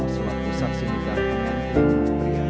selama usang sindikah pengantin pria